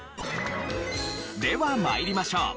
では参りましょう。